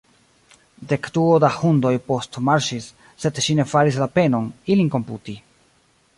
Dekduo da hundoj postmarŝis; sed ŝi ne faris la penon, ilin komputi.